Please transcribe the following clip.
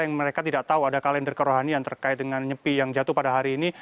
yang mereka tidak tahu ada kalender kerohanian terkait dengan nyepi yang jatuh pada hari ini